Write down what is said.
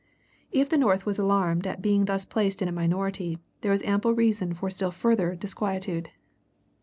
If the North was alarmed at being thus placed in a minority, there was ample reason for still further disquietude.